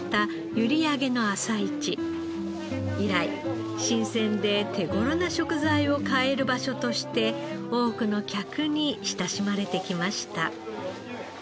以来新鮮で手頃な食材を買える場所として多くの客に親しまれてきました。